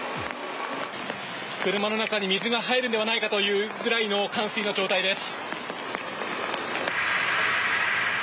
車の中に水が入るのではないかというくらいの冠水の状態です。